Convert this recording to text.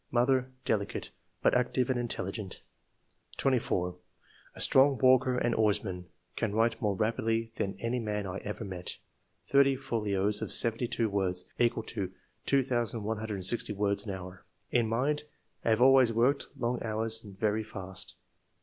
Mother — Delicate, but active and intelligent." 24. " A strong walker and oarsman ; can write more rapidly than any man I ever met (thirty folios of seventy two words, equal to 2160 words an hour.) In mind — Have always worked long hours and very fast.